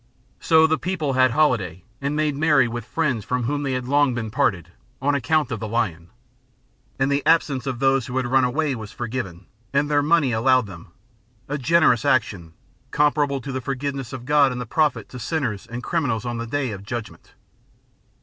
So the people had holiday and made merry with friends from whom they had been long parted, on account of the lion: And the absence of those who had run away was forgiven, and their money allowed them A generous action, comparable to the forgiveness of God and the Prophet to sinners and criminals on the day of judgment.